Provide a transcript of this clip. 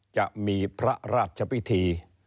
จะมีพระราชพิธี